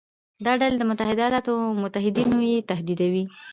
دا ډلې د متحده ایالاتو او متحدین یې تهدیدوي.